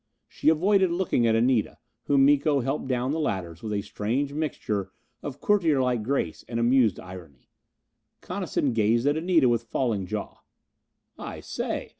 She avoided looking at Anita, whom Miko helped down the ladders with a strange mixture of courtierlike grace and amused irony. Coniston gazed at Anita with falling jaw. "I say!